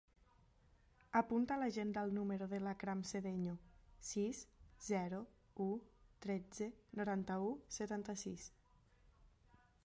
Apunta a l'agenda el número de l'Akram Sedeño: sis, zero, u, tretze, noranta-u, setanta-sis.